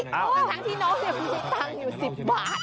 ดังที่น้องเนี่ยมีตังค์อยู่๑๐บาท